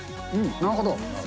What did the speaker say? なるほど。